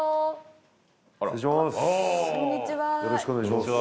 よろしくお願いします。